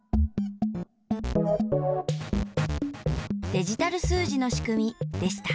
デジタル数字のしくみでした。